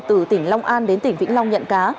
từ tỉnh long an đến tỉnh vĩnh long nhận cá